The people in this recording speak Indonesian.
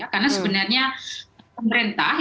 karena sebenarnya pemerintah